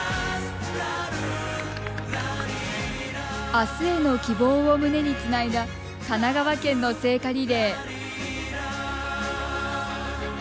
あすへの希望を胸につないだ神奈川県の聖火リレー。